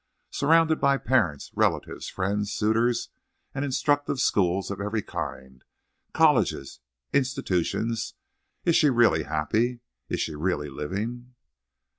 Surrounded by parents, relatives, friends, suitors, and instructive schools of every kind, colleges, institutions, is she really happy, is she really living?"